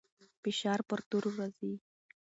فشار پر تورو راځي.